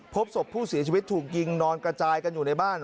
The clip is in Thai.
พบศพผู้เสียชีวิตถูกยิงนอนกระจายกันอยู่ในบ้าน